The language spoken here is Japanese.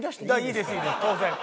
いいですいいです当然。